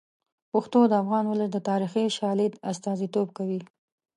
پښتو د افغان ولس د تاریخي شالید استازیتوب کوي.